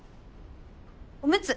「おむつ」！